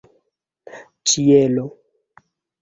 ĉielo